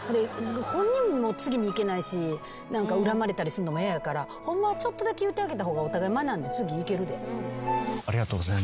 本人も次にいけないし恨まれたりするのも嫌やからホンマはちょっとだけ言うてあげた方がお互い学んで次いけるで。